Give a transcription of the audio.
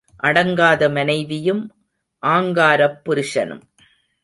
அடங்காத மனைவியும் ஆங்காரப் புருஷனும்.